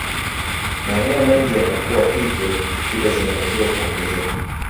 maeneo mengi yanakuwa hivyo shule zinatakiwa kuongezeka